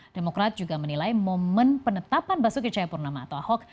demokrat juga menilai momen penetapan basuki cahayapurnama atau ahok